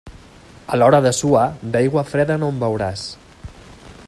A l'hora de suar, d'aigua freda no en beuràs.